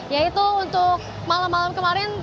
yaitu untuk malam malam kemarin